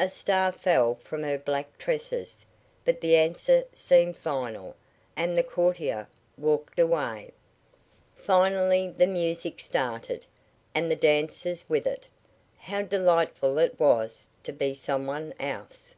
A star fell from her black tresses, but the answer seemed final, and the courtier walked away. Finally the music started, and the dancers with it. How delightful it was to be some one else!